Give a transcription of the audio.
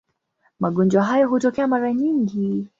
Magonjwa hayo hutokea mara nyingi.